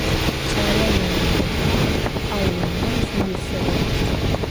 Ç'aler vunem yihağ, au vunem zi yisığep.